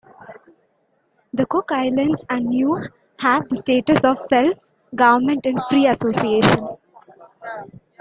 The Cook Islands and Niue have the status of "self-government in free association".